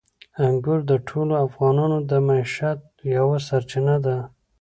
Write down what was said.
انګور د ټولو افغانانو د معیشت یوه سرچینه ده.